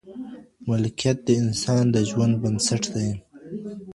ملکیت د انسان د ژوند بنسټ دی.